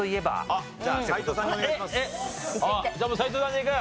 じゃあもう斎藤さんでいく？